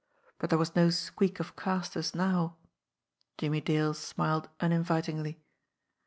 But there was no squeak of casters now. Jimmie Dale smiled uninvitingly.